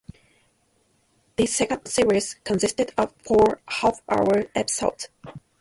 The second series consisted of four half-hour episodes.